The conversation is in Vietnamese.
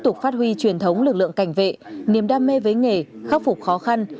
tục phát huy truyền thống lực lượng cảnh vệ niềm đam mê với nghề khắc phục khó khăn